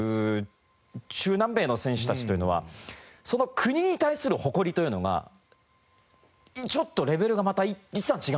中南米の選手たちというのはその国に対する誇りというのがちょっとレベルがまた一段違うんですよ。